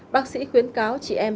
bác sĩ khuyến cáo chị em